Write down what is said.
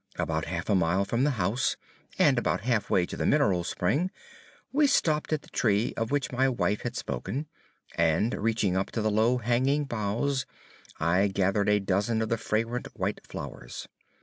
About half a mile from the house, and about half way to the mineral spring, we stopped at the tree of which my wife had spoken, and reaching up to the low hanging boughs, I gathered a dozen of the fragrant white flowers.